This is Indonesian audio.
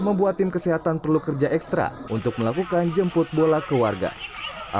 membuat tim kesehatan perlu kerja ekstra untuk melakukan jemput bola ke warga